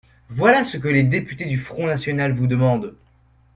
Voilà ce que les députés du Front national vous demandent.